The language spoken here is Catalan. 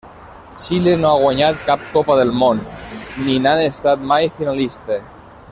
Xile no ha guanyat cap Copa del Món, ni n'ha estat mai finalista.